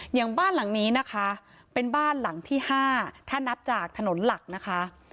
อย่างบ้านหลังนี้นะคะเป็นบ้านหลังที่๕ถ้านับจากถนนหลักนะคะ